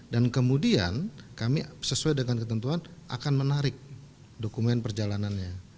dan kemudian kami sesuai dengan ketentuan akan menarik dokumen perjalanannya